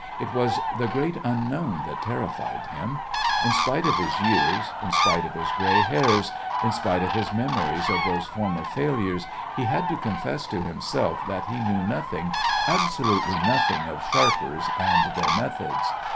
It was the great unknown that terrified him. In spite of his years, in spite of his gray hairs, in spite of his memories of those former failures, he had to confess to himself that he knew nothing, absolutely nothing of sharpers and their methods.